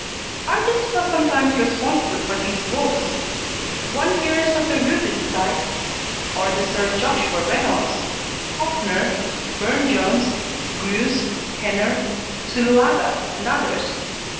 Artists are sometimes responsible for these vogues. One hears of the Rubens type, or the Sir Joshua Reynolds, Hauptner, Burne Jones, Greuse, Henner, Zuloaga, and others.